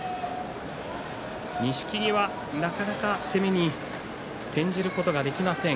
錦木は、なかなか攻めに転じることができません。